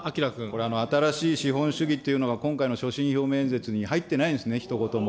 これ、新しい資本主義というのが、今回の所信表明演説に入ってないんですね、ひと言も。